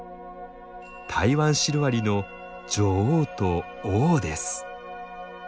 タイワンシロアリの女王と王です。